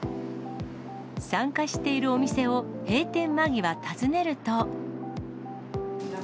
参加しているお店を閉店間際、訪ねると。